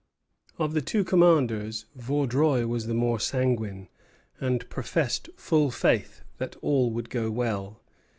Of the two commanders, Vaudreuil was the more sanguine, and professed full faith that all would go well.